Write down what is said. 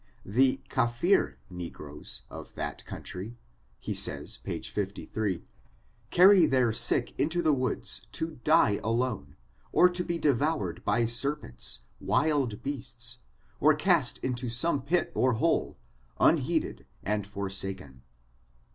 The Caffree ne groes of that country, he says, page 63, carry their sick into the woods to die alone, or to be devoured by serpents, wild beasts, or cast into some pit or hole, unheeded and forsaken.